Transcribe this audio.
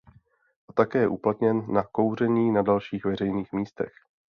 A také je uplatněn na kouření na dalších veřejných místech.